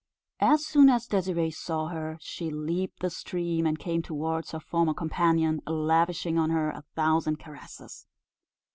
As soon as Désirée saw her, she leaped the stream, and came towards her former companion, lavishing on her a thousand caresses.